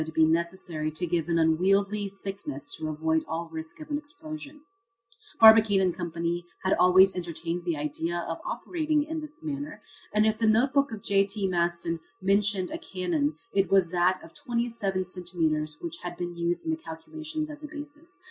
be necessary to give an unwieldy thickness to avoid all risk of an explosion. Barbicane & Co. had always entertained the idea of operating in this manner, and if the notebook of J. T. Maston mentioned a cannon it was that of 27 centimetres which had been used in the calculations as a basis.